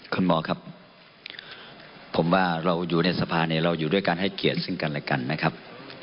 คุณหมอครับผมว่าเราอยู่ในสภาเนี่ยเราอยู่ด้วยการให้เกียรติซึ่งกันและกันนะครับ